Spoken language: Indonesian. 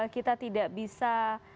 kita tidak bisa